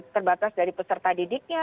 terbatas dari peserta didiknya